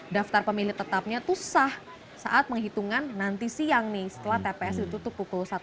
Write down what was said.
daftar pemilih tetapnya itu sah saat penghitungan nanti siang nih setelah tps ditutup pukul satu